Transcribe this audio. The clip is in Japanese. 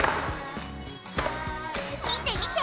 見て見て！